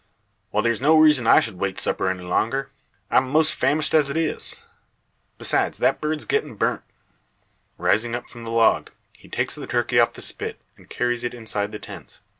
Well, there's no reason I should wait supper any longer. I'm 'most famished as it is. Besides, that bird's gettin' burnt." Rising up from the log, he takes the turkey off the spit, and carries it inside the tent.